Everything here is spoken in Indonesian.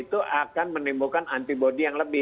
itu akan menimbulkan antibody yang lebih